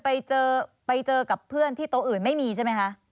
ไปเจอไปเจอกับเพื่อนที่โต๊ะอื่นไม่มีใช่ไหมคะ